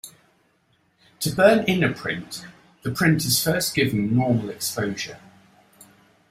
To burn-in a print, the print is first given normal exposure.